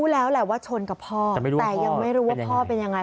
แล้วแหละว่าชนกับพ่อแต่ยังไม่รู้ว่าพ่อเป็นยังไง